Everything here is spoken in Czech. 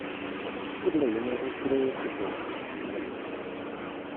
Podle jiného zdroje trpěl plicní nemocí.